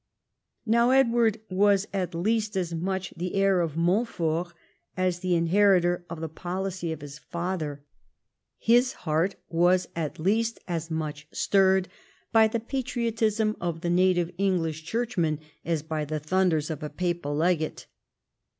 Now Edward was at least as much the heir of Montfort as the inheritor of the policy of his father. His heart was at least as much stirred by the IX EDWARD AND THE CHURCH 153 patriotism of the native English Churchman as by the thunders of a pa2)al legate.